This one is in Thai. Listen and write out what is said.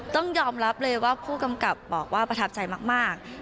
ต้องยอมรับเลยว่าผู้กำกับบอกว่าประทับใจมาก